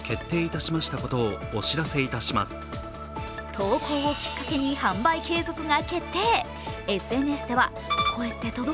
投稿をきっかけに販売継続が決定。